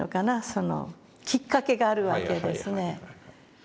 そのきっかけがあるわけですね。